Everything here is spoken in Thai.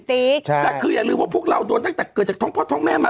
แต่คืออย่าลืมว่าพวกเราโดนตั้งแต่เกิดจากท้องพ่อท้องแม่มา